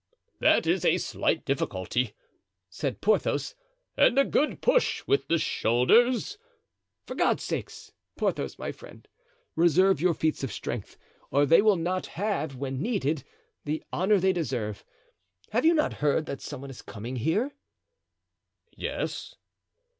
"That is a slight difficulty," said Porthos, "and a good push with the shoulders——" "For God's sake, Porthos my friend, reserve your feats of strength, or they will not have, when needed, the honor they deserve. Have you not heard that some one is coming here?" "Yes."